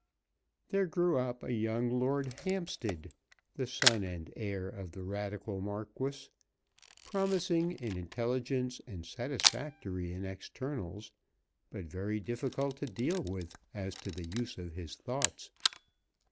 There grew up a young Lord Hampstead, the son and heir of the Radical Marquis, promising in intelligence and satisfactory in externals, but very difficult to deal with as to the use of his thoughts.